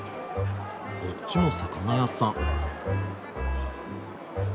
こっちも魚屋さん。